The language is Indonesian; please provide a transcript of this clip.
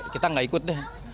kita gak ikut deh